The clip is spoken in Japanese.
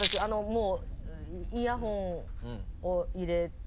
もうイヤホンを入れて。